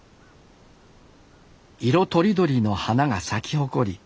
色とりどりの花が咲き誇り